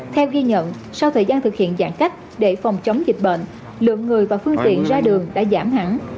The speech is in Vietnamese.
theo ghi nhận sau thời gian thực hiện giãn cách để phòng chống dịch bệnh lượng người và phương tiện ra đường đã giảm hẳn